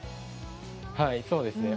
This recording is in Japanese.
はいそうですね。